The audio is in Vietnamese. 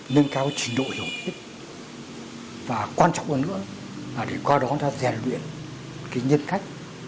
nâng cao trình độ hiểu biết và quan trọng hơn nữa là để qua đó ta rèn luyện cái nhân cách